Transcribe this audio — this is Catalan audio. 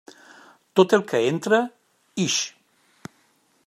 Tot el que entra, ix.